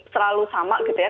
selalu sama gitu ya